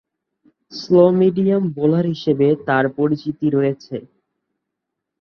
Slow-medium bowler হিসেবে তার পরিচিতি রয়েছে।